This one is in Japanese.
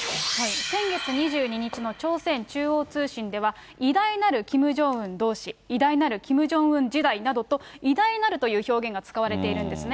先月２２日の朝鮮中央通信では、偉大なるキム・ジョンウン同志、偉大なるキム・ジョンウン時代などと、偉大なるという表現が使われているんですね。